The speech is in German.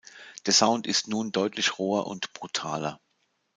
Der Sound ist nun deutlich roher und brutaler.